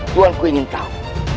tuanku ingin tahu